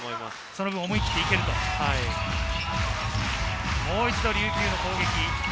その分、思い切りいけるともう一度、琉球の攻撃。